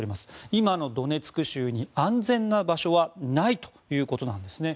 今のドネツク州に、安全な場所はないということなんですね。